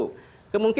nah itu juga